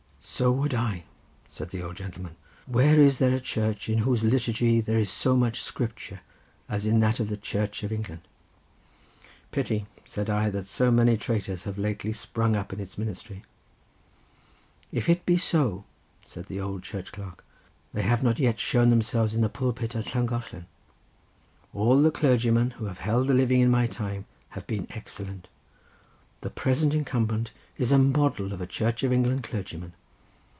"So would I," said the old gentleman; "where is there a church in whose liturgy there is so much Scripture as in that of the Church of England?" "Pity," said I, "that so many traitors have lately sprung up in its ministry." "If it be so," said the old church clerk, "they have not yet shown themselves in the pulpit at Llangollen. All the clergymen who have held the living in my time have been excellent. The present incumbent is a model of a Church of England clergyman.